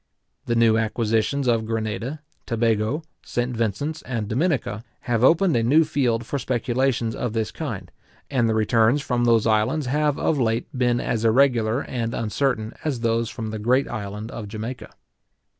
The new acquisitions of Grenada, Tobago, St. Vincent's, and Dominica, have opened a new field for speculations of this kind; and the returns front those islands have of late been as irregular and uncertain as those from the great island of Jamaica.